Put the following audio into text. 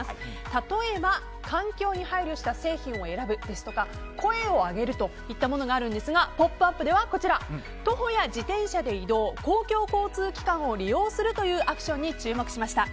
例えば環境に配慮した製品を選ぶですとか声を上げるといったものがあるんですが「ポップＵＰ！」では徒歩や自動車で移動公共交通機関を利用するというアクションに注目しました。